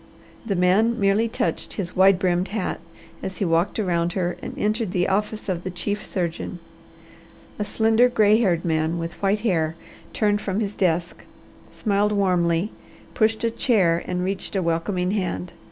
The man merely touched his wide brimmed hat as he walked around her and entered the office of the chief surgeon. A slender, gray eyed man with white hair turned from his desk, smiled warmly, pushed a chair, and reached a welcoming hand.